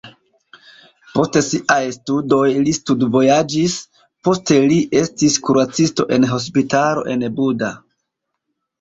Post siaj studoj li studvojaĝis, poste li estis kuracisto en hospitalo en Buda.